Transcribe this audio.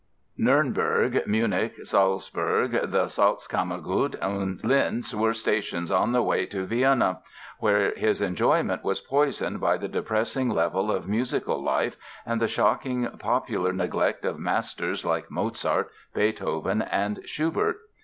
Nürnberg, Munich, Salzburg, the Salzkammergut and Linz were stations on the way to Vienna, where his enjoyment was poisoned by the depressing level of musical life and the shocking popular neglect of masters like Mozart, Beethoven and Schubert.